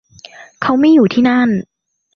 เขาไม่อยู่ที่นั่น